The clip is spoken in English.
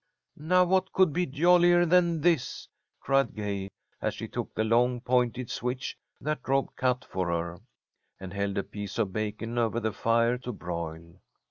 "Now what could be jollier than this?" cried Gay, as she took the long, pointed switch that Rob cut for her, and held a piece of bacon over the fire to broil.